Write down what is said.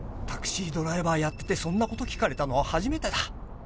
タクシードライバーやっててそんなこと聞かれたのは初めてだ。